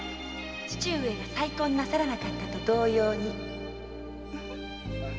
父上が再婚なさらなかったと同様に